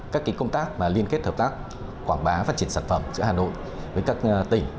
các công tác liên kết hợp tác quảng bá phát triển sản phẩm chùa hà nội với các tỉnh